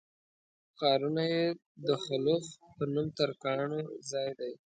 ښارونه یې د خلُخ په نوم ترکانو ځای دی.